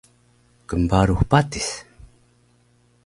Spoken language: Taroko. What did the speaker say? Knbarux patis